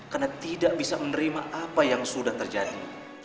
karena tidak bisa menerima apa yang sudah terjadi